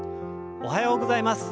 おはようございます。